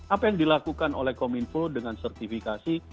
apa yang dilakukan oleh kominfo dengan sertifikasi